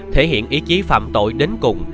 thể hiện ý chí phạm tội đến cùng